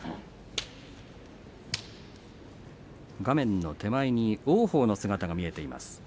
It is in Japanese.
画面の手前に王鵬の姿が見えています。